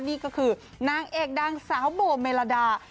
นี่ก็คือนางเอกดังสาวโบเมลาดา